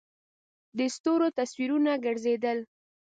د ستورو تصویرونه گرځېدل.